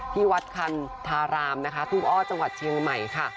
ที่วัดคันธารามนะคะทุ่งอ้อจังหวัดเชียงใหม่ค่ะ